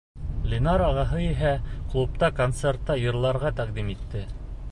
Линар ағаһы иһә клубта концертта йырларға тәҡдим итте.